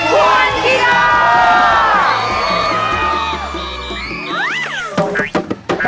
หวานกินอค